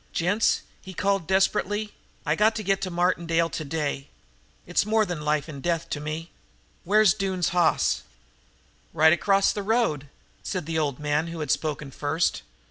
"Gents," he called desperately, "I got to get to Martindale today. It's more than life or death to me. Where's Doone's hoss?" "Right across the road," said the old man who had spoken first.